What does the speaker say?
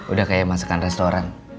udah kayak masakan restoran